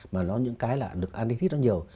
mà nó những cái là được an lý thích nó nhiều